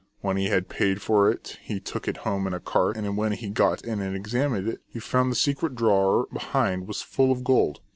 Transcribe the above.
When he had paid for it he took it home in a cart, and when he got in and examined it, he found the secret drawer behind was full of gold.